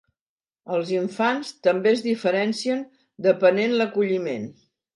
Els infants també es diferencien depenent l'acolliment.